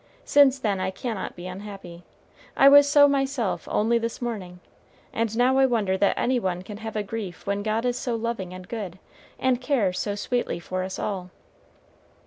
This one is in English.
Since then I cannot be unhappy. I was so myself only this morning, and now I wonder that any one can have a grief when God is so loving and good, and cares so sweetly for us all.